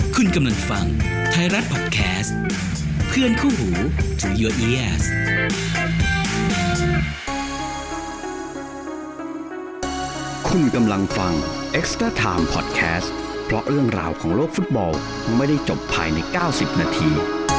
คุณกำลังฟังไทยรัฐพอดแคสต์เพื่อนคู่หูที่คุณกำลังฟังพอดแคสต์เพราะเรื่องราวของโลกฟุตบอลไม่ได้จบภายใน๙๐นาที